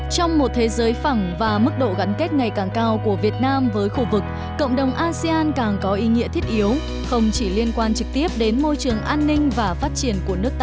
trong một thế giới phẳng và mức độ gắn kết ngày càng cao của việt nam với khu vực cộng đồng asean càng có ý nghĩa thiết yếu không chỉ liên quan trực tiếp đến môi trường an ninh và phát triển